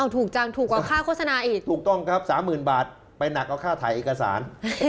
ถูกจังถูกกว่าค่าโฆษณาอีกถูกต้องครับ๓๐๐๐บาทไปหนักกว่าค่าถ่ายเอกสาร